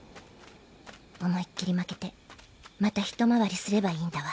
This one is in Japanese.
思いっきり負けてまた一廻りすればいいんだわ。